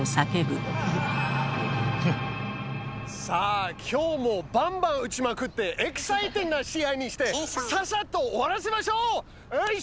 さあ今日もバンバン打ちまくってエキサイティングな試合にしてさっさと終わらせましょう！